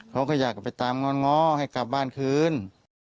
เขาก็อยากไปตามง้อให้กลับบ้านคืน